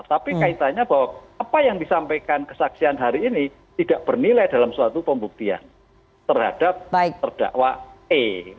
tapi kaitannya bahwa apa yang disampaikan kesaksian hari ini tidak bernilai dalam suatu pembuktian terhadap terdakwa e